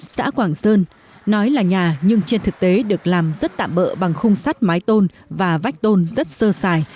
xã quảng sơn nói là nhà nhưng trên thực tế được làm rất tạm bỡ bằng khung sắt mái tôn và vách tôn rất sơ sài